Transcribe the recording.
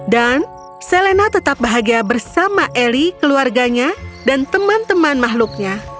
dan selena tetap bahagia bersama ellie keluarganya dan teman teman makhluknya